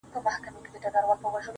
زه بې له تا گراني ژوند څه كومه,